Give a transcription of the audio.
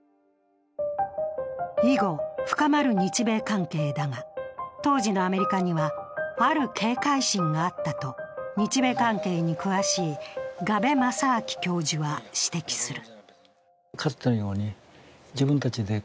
以後深まる日米関係だが当時のアメリカには、ある警戒心があったと日米関係に詳しい我部政明教授は指摘する。